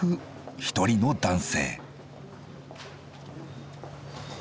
一人の男性。